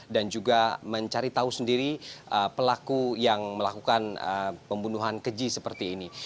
dan juga mencari tahu sendiri pelaku yang melakukan pembunuhan keji seperti ini